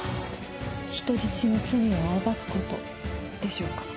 人質の罪を暴くことでしょうか？